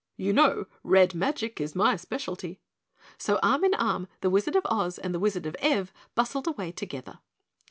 "You know RED magic is my specialty." So, arm in arm, the Wizard of Oz and the Wizard of Ev bustled away together.